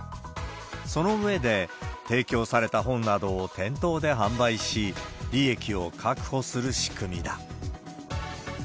その上で、提供された本などを店頭で販売し、利益を確保する仕組みだ。